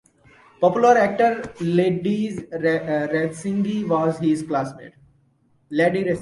Popular actor Laddie Ranasinghe was his classmate.